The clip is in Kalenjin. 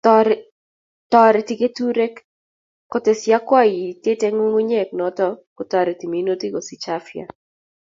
Toreti keturek kotes yakwaiyet eng ngungunyek noto kotoreti minutik kosich afya